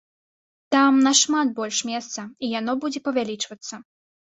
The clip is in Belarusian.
Там нашмат больш месца, і яно будзе павялічвацца.